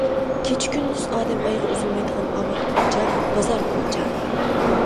كېچە-كۈندۈز ئادەم ئايىغى ئۈزۈلمەيدىغان ئاۋات كوچا، بازار كوچا.